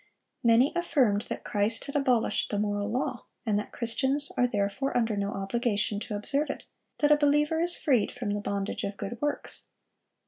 Many affirmed that Christ had abolished the moral law, and that Christians are therefore under no obligation to observe it; that a believer is freed from the "bondage of good works."